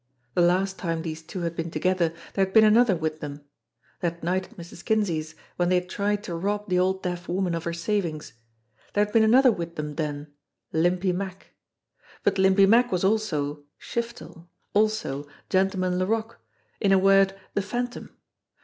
The last time these two had been together there had been another with them. That night at Mrs. Kinsey's, when they had tried to rob the old deaf woman of her savings ! There had been another with them then Limpy Mack. But Limpy Mack was also Shiftel, also Gentleman Laroque; in a word, the Phantom.